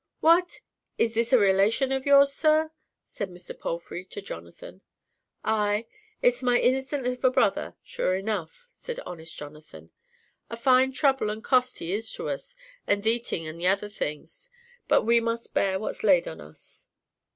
"What! is this a relation of yours, sir?" said Mr. Palfrey to Jonathan. "Aye, it's my innicent of a brother, sure enough," said honest Jonathan. "A fine trouble and cost he is to us, in th' eating and other things, but we must bear what's laid on us."